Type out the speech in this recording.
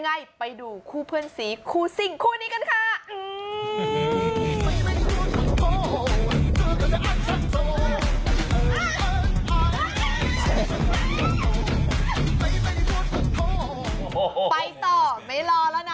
นี่ไงสองคนเพื่อนตายเพื่อนเลยตกน้ำเลยฮะตอนนี้ตายแล้วไม่รู้เนี่ยนะ